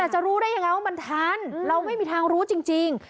จะรู้ได้ยังไงว่ามันทันเราไม่มีทางรู้จริง